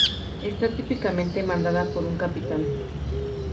Está típicamente mandada por un capitán.